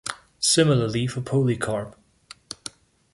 Similarly for Polycarp.